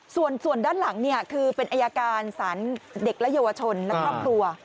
ส่วนด้านหลังคือเป็นอายการสารเด็กและเยาวชนและครอบครัว